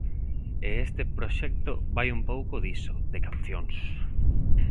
E este proxecto vai un pouco diso, de cancións.